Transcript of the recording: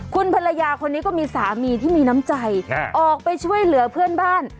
คุณภรรยาคนนี้ก็มีสามีที่มีน้ำใจออกไปช่วยเหลือเพื่อนบ้าน